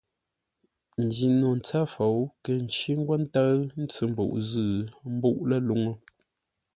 Njino ntsə́ fou nkə̂ ncí ńgwó ńtə́ʉ ntsʉ-mbuʼ zʉ́ ḿbúʼ ləluŋú.